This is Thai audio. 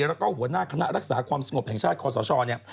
แล้วก็หัวหน้าคณะรักษาความสงบแห่งชาติคอสชเนี่ย